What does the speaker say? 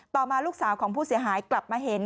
มาลูกสาวของผู้เสียหายกลับมาเห็น